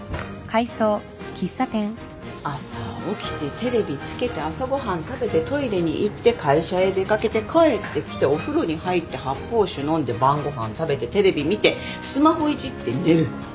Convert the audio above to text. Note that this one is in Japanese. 朝起きてテレビつけて朝ご飯食べてトイレに行って会社へ出掛けて帰ってきてお風呂に入って発泡酒飲んで晩ご飯食べてテレビ見てスマホいじって寝る